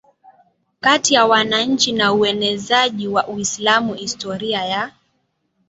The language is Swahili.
kati ya wananchi na uenezaji wa Uislamu Historia ya